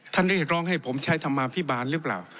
เรียกร้องให้ผมใช้ธรรมาภิบาลหรือเปล่า